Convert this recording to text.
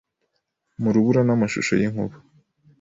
M urubura namashusho yinkuba